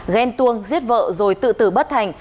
ghen tuông giết vợ rồi tự tử bất thành